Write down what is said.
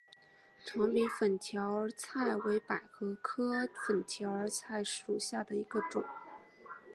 长柄粉条儿菜为百合科粉条儿菜属下的一个种。